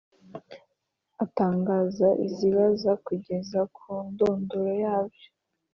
atangaza ibizaba kugeza ku ndunduro yabyo,